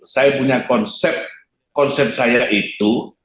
saya punya konsep konsep saya itu